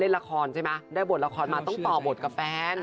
ละครใช่ไหมได้บทละครมาต้องต่อบทกับแฟน